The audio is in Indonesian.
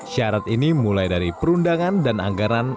syarat ini mulai dari perundangan dan anggaran